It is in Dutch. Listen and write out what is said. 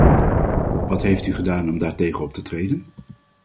Wat heeft u gedaan om daartegen op te treden?